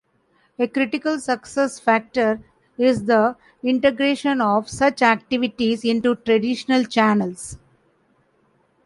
A critical success factor is the integration of such activities into traditional channels.